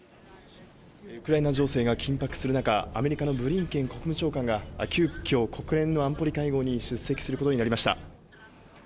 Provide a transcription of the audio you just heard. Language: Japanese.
ウクライナ情勢が緊迫する中、アメリカのブリンケン国務長官が急きょ国連の安保理会合に出席することになりました。